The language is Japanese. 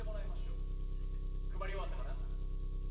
配り終わったかな？